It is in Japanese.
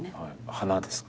花ですか。